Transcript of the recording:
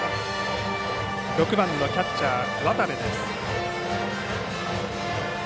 ６番のキャッチャー渡部です。